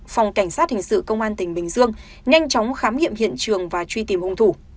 phòng cảnh sát hình sự công an tỉnh bình dương nhanh chóng khám nghiệm hiện trường và truy tìm hung thủ